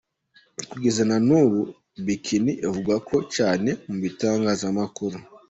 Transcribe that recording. Kugeza na n’ubu “Bikini” ivugwaho cyane mu bitangazamakuru.